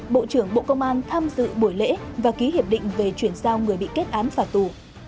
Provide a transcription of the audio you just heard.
bộ trưởng bộ công an tham dự buổi lễ và ký hiệp định về chuyển giao người bị kết án phạt tù